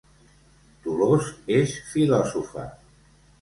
Dolors és filòsofa